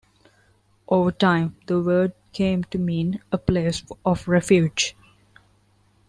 Over time, the word came to mean a place of refuge.